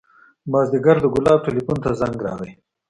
مازديګر د ګلاب ټېلفون ته زنګ راغى.